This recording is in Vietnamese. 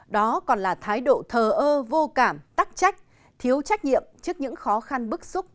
đó còn là thái độ thờ ơ vô cảm tắc trách thiếu trách nhiệm trước những khó khăn bức xúc